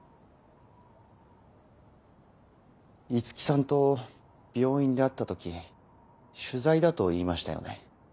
いつきさんと病院で会った時取材だと言いましたよね？